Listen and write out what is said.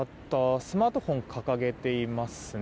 スマートフォンを掲げていますね。